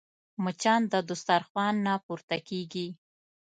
مچان د دسترخوان نه پورته کېږي